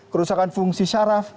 kerusakan fungsi saraf